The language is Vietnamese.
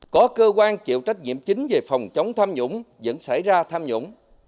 có cơ quan chịu trách nhiệm chính về phòng chống tham nhũng vẫn xảy ra tham nhũng